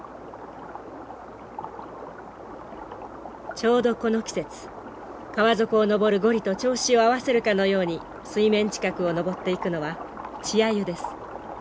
ちょうどこの季節川底を上るゴリと調子を合わせるかのように水面近くを上っていくのは稚アユです。